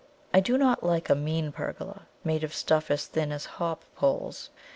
I do not like a mean pergola, made of stuff as thin as hop poles.